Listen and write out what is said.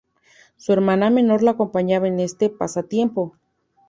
Su hermana menor lo acompañaba en este pasatiempo.